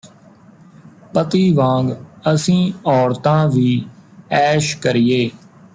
ਪਤੀ ਵਾਂਗ ਅਸੀਂ ਔਰਤਾਂ ਵੀ ਐਸ਼ ਕਰੀਏ